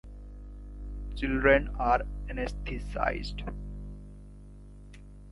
Children are anesthetized.